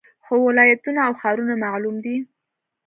خو ولایتونه او ښارونه معلوم دي